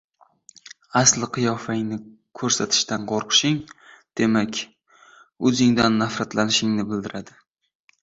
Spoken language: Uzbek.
Asli qiyofangni ko‘rsatishdan qo‘rqishing, demak, o‘zingdan nafratlanishingni bildiradi.